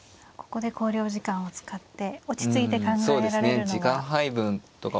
ここで考慮時間を使って落ち着いて考えられるのは。